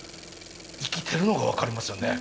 生きてるのが分かりますよね。